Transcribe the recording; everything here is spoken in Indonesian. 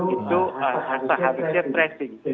itu harusnya tracing